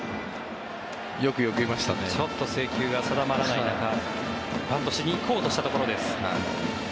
制球が定まらない中バントしに行こうとしたところです。